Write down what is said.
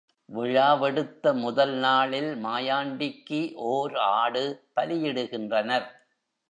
விழாவெடுத்த முதல் நாளில் மாயாண்டிக்கு ஓர் ஆடு பலியிடுகின்றனர்.